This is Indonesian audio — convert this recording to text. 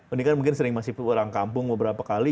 ini kan mungkin sering masih orang kampung beberapa kali